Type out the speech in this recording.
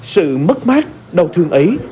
sự mất mát đau thương ấy